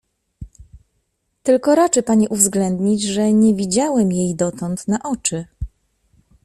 — Tylko raczy pani uwzględnić, że nie widziałem jej dotąd na oczy.